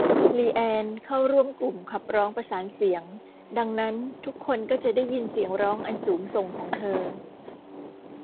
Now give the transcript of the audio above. ลีแอนน์ เข้าร่วมกลุ่มขับร้องประสานเสียง ดังนั้นทุกคนก็จะได้ยินเสียงร้องอันสูงส่งของเธอ